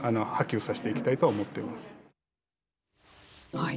はい。